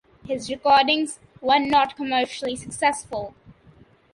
His recordings were not commercially successful.